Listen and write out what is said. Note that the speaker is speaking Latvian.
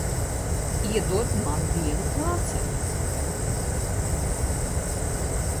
Iedod man vienu pl?ceni,